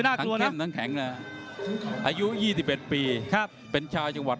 น่ากลัวนะทั้งเข้มทั้งแข็งอายุยี่สิบเอ็ดปีครับเป็นชาวจังหวัด